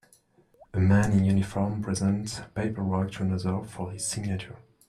A man in uniform presents paperwork to another for his signature